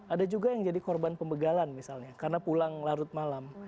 ada juga yang jadi korban pembegalan misalnya karena pulang larut malam